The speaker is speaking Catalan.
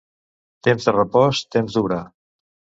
Temps de repòs, temps d'obrar.